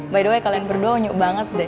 by the way kalian berdua onyok banget deh